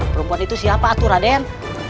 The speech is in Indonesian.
perempuan itu siapa atu raden